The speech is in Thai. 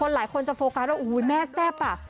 คนหลายคนจะโฟกัสว่าโอ้โหแม่แซ่บอะ